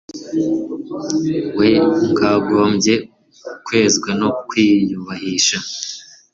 we bwagombye kwezwa no kwiyubahisha